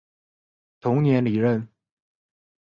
同年离任。